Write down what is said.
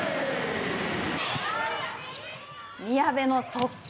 宮部の速攻。